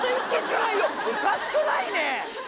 おかしくない？ねえ。